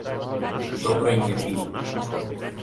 Добро им је пиво.